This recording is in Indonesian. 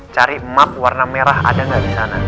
cari mark warna merah ada gak disana